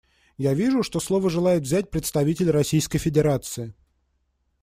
Я вижу, что слово желает взять представитель Российской Федерации.